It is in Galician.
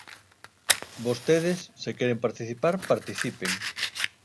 Vostedes, se queren participar, participen.